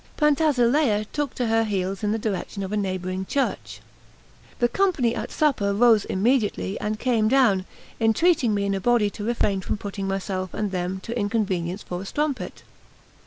Pantasilea took to her heels in the direction of a neighbouring church. The company at supper rose immediately, and came down, entreating me in a body to refrain from putting myself and them to inconvenience for a strumpet.